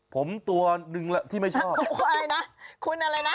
ผมตัวนึงแหละที่ไม่ชอบอะไรนะคุณอะไรนะ